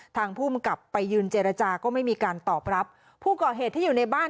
ทางภูมิกลับไปยืนเจรจาก็ไม่มีการตอบรับผู้ก่อเหตุที่อยู่ในบ้าน